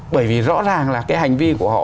bởi vì rõ ràng là cái hành vi của họ